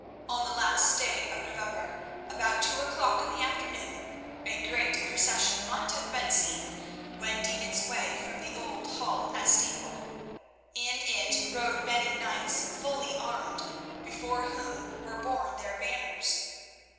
On the last day of November, about two o'clock in the afternoon, a great procession might have been seen wending its way from the old Hall at Steeple. In it rode many knights fully armed, before whom were borne their banners.